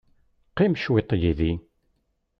Qqim cwiṭ yid-i.